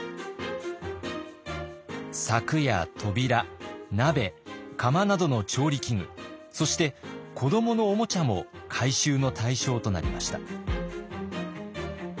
柵や扉鍋釜などの調理器具そして子どものおもちゃも回収の対象となりました。